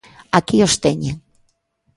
Aquí os teñen.